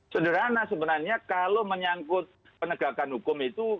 sederhana sebenarnya kalau menyangkut penegakan hukum itu